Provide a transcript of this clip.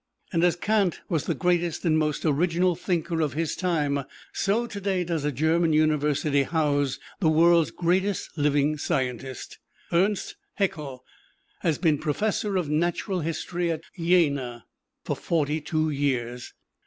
And as Kant was the greatest and most original thinker of his time, so today does a German University house the world's greatest living scientist. Ernst Haeckel has been Professor of Natural History at Jena for forty two years.